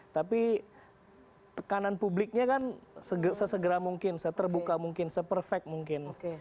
tapi tekanan publiknya kan sesegera mungkin seterbuka mungkin seperfect mungkin